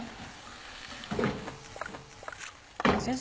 先生